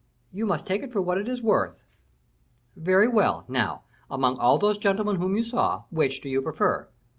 "You must take it for what it is worth." "Very well; now, among all those gentlemen whom you saw, which do you prefer?"